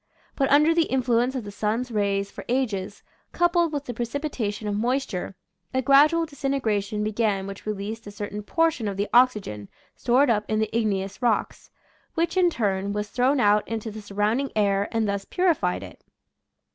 But under the influence of the sun's rays for ages, coupled with the pre cipitation of moisture, a gradual disintegra tion began which released a certain portion of the oxygen stored up in the igneous rocks, which, in turn, was thrown out into the sur rounding air and thus purified it.